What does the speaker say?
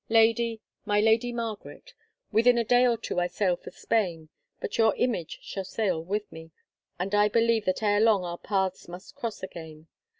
Lady, my lady Margaret, within a day or two I sail for Spain, but your image shall sail with me, and I believe that ere long our paths must cross again.